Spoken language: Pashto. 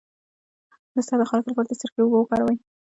د سر د خارښ لپاره د سرکې اوبه وکاروئ